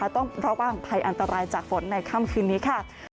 ต้องระวังภัยอันตรายจากฝนในค่ำคืนนี้ค่ะ